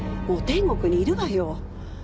もう天国にいるわよ。